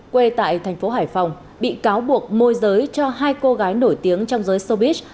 quê tại thành phố hải phòng bị cáo buộc môi giới cho hai cô gái nổi tiếng trong giới sobit